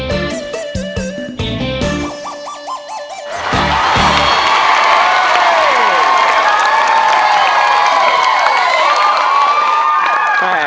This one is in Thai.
ยี